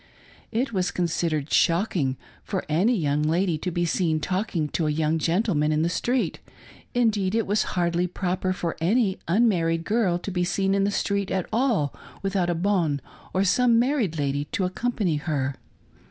It was considered shocking for any young lady to be seen talking to a young gentleman in the street ; indeed it was hardly proper for any unmarried girl to be seen in the street at all without a bonne or some married lady to accompahy her.